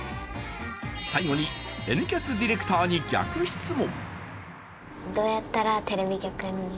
最後に「Ｎキャス」ディレクターに逆質問。